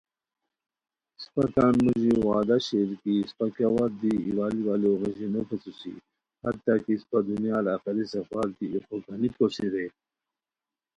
اسپہ تان موژی وغدہ شیر کی اسپہ کیہ وت دی ایوال ایوالیو غیژی نو پیڅھوسی، حتی کی اسپہ دنیار آخری سفر دی ایغوگنی کوسی رے